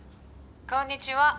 「こんにちは」